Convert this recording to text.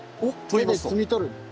手で摘み取る。